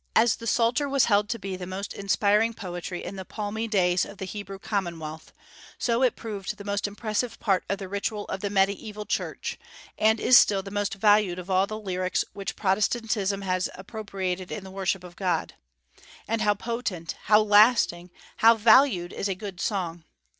As the Psalter was held to be the most inspiring poetry in the palmy days of the Hebrew commonwealth, so it proved the most impressive part of the ritual of the mediaeval Church, and is still the most valued of all the lyrics which Protestantism has appropriated in the worship of God. And how potent, how lasting, how valued is a good song!